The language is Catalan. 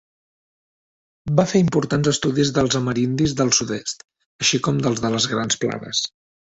Va fer importants estudis dels amerindis del Sud-est, així com dels de les Grans Planes.